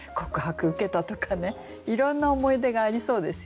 いろんな思い出がありそうですよね。